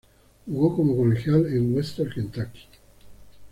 Jugo como colegial en Western Kentucky.